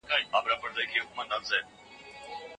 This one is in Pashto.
زما ملګری د انټرنیټي لوبو لپاره یو نوی پلیټ فارم جوړوي.